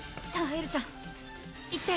エルちゃん行って！